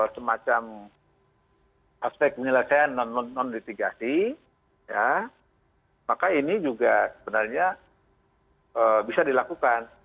semacam aspek penyelesaian non litigasi maka ini juga sebenarnya bisa dilakukan